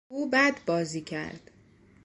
او بد بازی کرد.